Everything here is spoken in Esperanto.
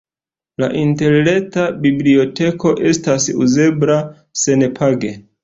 La interreta biblioteko estas uzebla senpage.